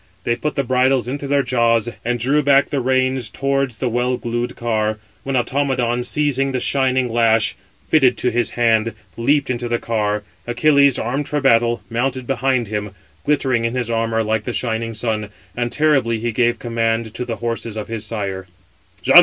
They put the bridles into their jaws, and drew back the reins towards the well glued car, when Automedon, seizing the shining lash, fitted to his hand, leaped into the car; Achilles, armed for battle, mounted behind him, glittering in his armour like the shining sun; and terribly he gave command to the horses of his sire: Footnote 639: (return) Milton, P. L.